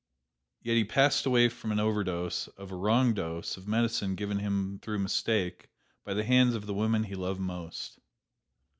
Yet he passed away from an overdose, or a wrong dose, of medicine given him through mistake, by the hands of the woman he loved most.